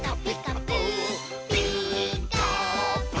「ピーカーブ！」